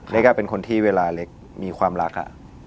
เล็กเป็นคนที่เวลาเล็กมีความรัก